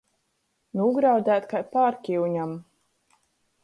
Nūgraudēt kai pārkyuņam.